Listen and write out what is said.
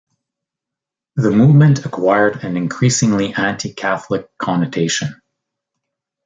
The movement acquired an increasingly anti-Catholic connotation.